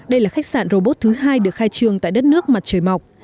đây là khách sạn robot thứ hai được khai trương tại đất nước mặt trời mọc